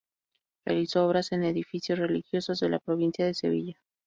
Realizó obras en edificios religiosos de la provincia de Sevilla.